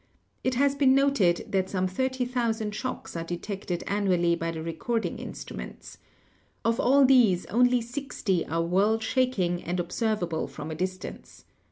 It has been noted that some thirty thousand shocks are detected annually by the recording instruments. Of all these only sixty are "world shaking" and observable from a distance.